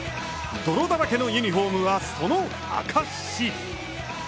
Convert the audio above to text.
泥だらけのユニホームは、その証！